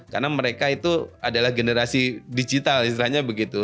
karena mereka itu adalah generasi digital istilahnya begitu